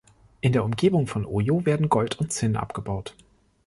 In der Umgebung von Oyo werden Gold und Zinn abgebaut.